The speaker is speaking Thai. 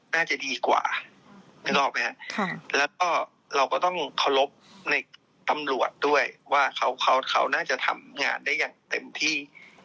น่าจะดีกว่านึกออกไหมครับแล้วก็เราก็ต้องเคารพในตำรวจด้วยว่าเขาน่าจะทำงานได้อย่างเต็มที่